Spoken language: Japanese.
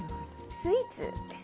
スイーツです。